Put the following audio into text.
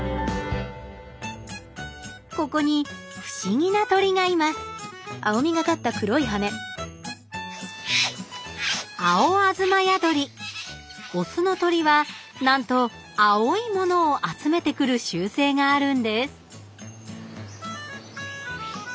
ここに不思議な鳥がいますオスの鳥はなんと青いモノを集めてくる習性があるんです